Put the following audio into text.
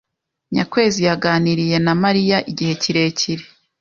Nyakwezi yaganiriye na Mariya igihe kirekire.